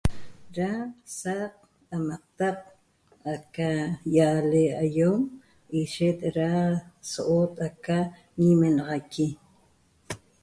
Da saq amatac aca yale ayom ishet da so otaqa nmenaxaqui